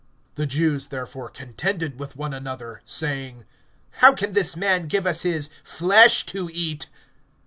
(52)The Jews therefore contended with one another, saying: How can this man give us his flesh to eat?